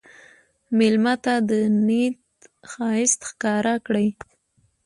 مېلمه ته د نیت ښایست ښکاره کړه.